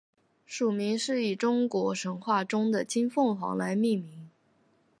属名是以中国神话中的金凤凰来命名。